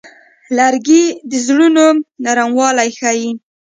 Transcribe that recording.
لرګی د زړونو نرموالی ښيي.